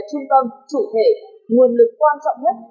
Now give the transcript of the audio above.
xác định con người là trung tâm chủ thể nguồn lực quan trọng nhất